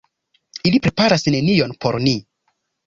Ili preparas nenion por ni!